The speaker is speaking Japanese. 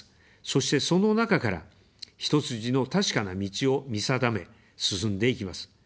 そして、その中から、一筋の確かな道を見定め、進んでいきます。